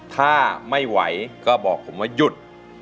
ถ้าไม่ไหวก็บอกผมว่าหยุด